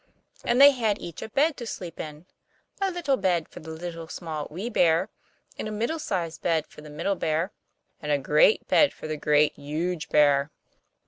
And they had each a bed to sleep in; a little bed for the Little, Small, Wee Bear; and a middle sized bed for the Middle Bear; and a great bed for the Great, Huge Bear.